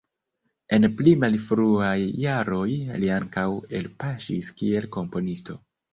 En pli malfruaj jaroj li ankaŭ elpaŝis kiel komponisto.